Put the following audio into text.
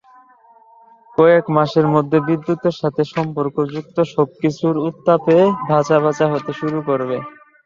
কয়েক মাসের মধ্যে বিদ্যুতের সাথে সম্পর্কযুক্ত সবকিছু উত্তাপে ভাজাভাজা হতে শুরু করবে!